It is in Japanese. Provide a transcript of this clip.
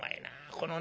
このね